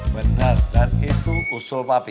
benar dan itu usul papi